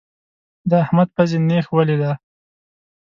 د احمد پزې نېښ ولی دی.